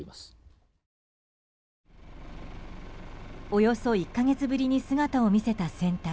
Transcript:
およそ１か月ぶりに姿を見せた船体。